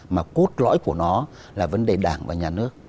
mà cốt lõi của nó là vấn đề đảng và nhà nước